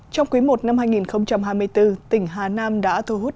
trong quý i năm hai nghìn hai mươi bốn tỉnh hà nam đã thu hút